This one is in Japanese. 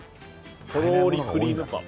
「とろりクリームパン」